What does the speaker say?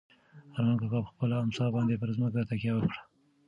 ارمان کاکا په خپله امسا باندې پر ځمکه تکیه وکړه.